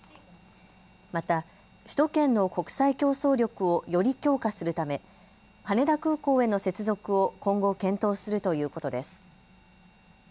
また首都圏の国際競争力をより強化するため羽田空港への接続を今後、検討するということです。